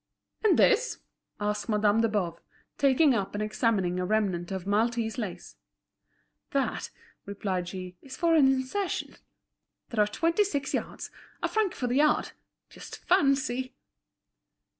"And this?" asked Madame de Boves, taking up and examining a remnant of Maltese lace. "That," replied she, "is for an insertion. There are twenty six yards—a franc the yard. Just fancy!"